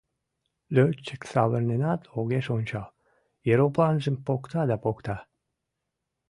Лётчик савырненат огеш ончал, еропланжым покта да покта.